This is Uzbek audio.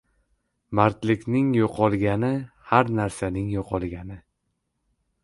• Mardlikning yo‘qolgani — har narsaning yo‘qolgani.